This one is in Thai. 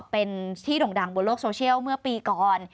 เป็นที่ด่งดังบนโลกโซเชียลเมื่อปีก่อน